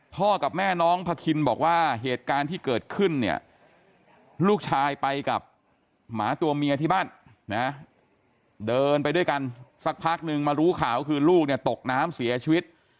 กับแม่น้องพะคินบอกว่าเหตุการณ์ที่เกิดขึ้นเนี่ยลูกชายไปกับหมาตัวเมียที่บ้านนะเดินไปด้วยกันสักพักนึงมารู้ข่าวคือลูกเนี่ยตกน้ำเสียชีวิต